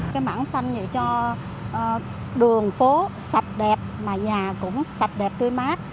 cái mảng xanh vậy cho đường phố sạch đẹp mà nhà cũng sạch đẹp tươi mát